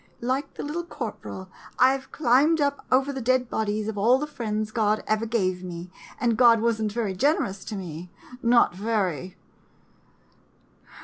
Like the Little Corporal, I Ve climbed up over the dead bodies of all the friends God ever gave me, and God was n't very generous to me — not very